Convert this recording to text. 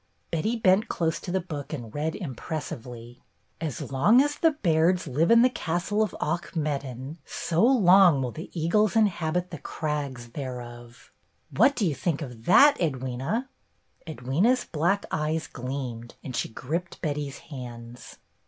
Betty bent close to the book and read impressively: 4 BETTY BAIRD'S GOLDEN YEAR '' 'As long as the Bairds live in the castle of Auchmeddon, so long will the eagles inhabit the crags thereof!' What do you think of that, Edwyna ?" Edwyna's black eyes gleamed and she gripped Betty's hands.